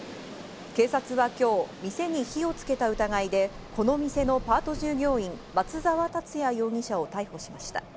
警察は今日、店に火をつけた疑いで、この店のパート従業員・松沢達也容疑者を逮捕しました。